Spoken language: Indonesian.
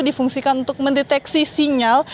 difungsikan untuk mendeteksi sinyal